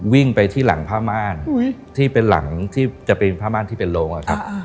วิ่งไปที่หลังผ้าม่านที่เป็นหลังที่จะเป็นผ้าม่านที่เป็นโรงอะครับ